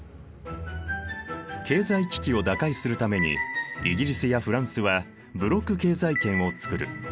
経済危機を打開するためにイギリスやフランスはブロック経済圏を作る。